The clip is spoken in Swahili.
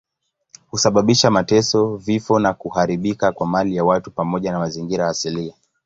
Husababisha mateso, vifo na kuharibika kwa mali ya watu pamoja na mazingira asilia.